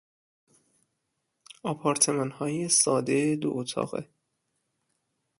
آپارتمانهای سادهی دو اتاقه